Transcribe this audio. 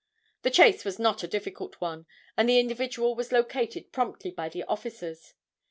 The chase was not a difficult one, and the individual was located promptly by the officers.